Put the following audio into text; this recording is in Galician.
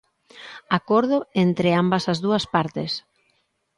Acordo entre ambas as dúas partes.